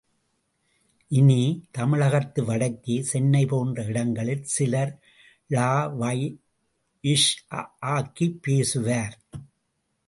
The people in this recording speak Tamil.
இனி, தமிழகத்து வடக்கே சென்னை போன்ற இடங்களில் சிலர் ழ வை ஸ் ஆக்கிப் பேசுவர்.